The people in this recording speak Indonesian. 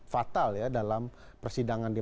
fatal ya dalam persidangan di